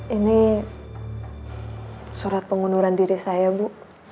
ini surat pengunduran diri saya bu